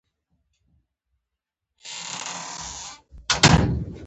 له بهره پر واردېدونکې ټکنالوژۍ ولاړ دی.